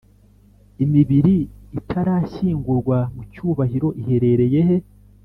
Imibiri itarashyingurwa mu cyubahiro iherereye he?